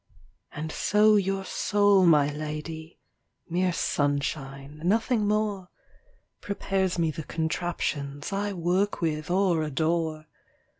And so your soul, my lady (Mere sunshine, nothing more) Prepares me the contraptions I work with or adore.